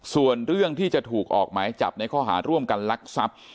ส่วนเรื่องที่จะถูกออกหมายจับในข้อหาร่วมกันลักทรัพย์